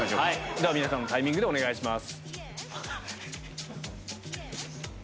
皆さんのタイミングでお願いします。